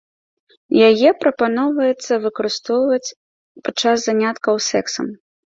Яе прапаноўваецца выкарыстоўваць падчас заняткаў сэксам.